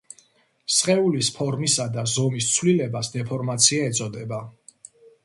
სხეულის ფორმისა და ზომის ცვლილებას დეფორმაცია ეწოდება.